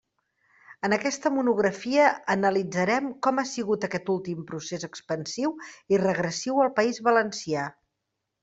En aquesta monografia analitzarem com ha sigut aquest últim procés expansiu i regressiu al País Valencià.